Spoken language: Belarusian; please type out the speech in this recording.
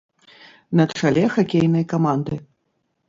На чале хакейнай каманды.